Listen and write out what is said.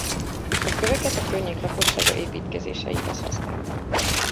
A köveket a környék lakossága építkezéseihez használta.